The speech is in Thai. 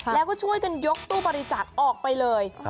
แล้วก็ช่วยกันยกตู้บริจาคออกไปเลย